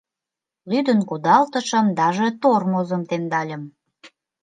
Лӱдын кудалтышым, даже тормозым темдальым.